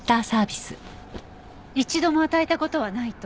一度も与えた事はないと？